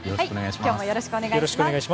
今日もよろしくお願い致します。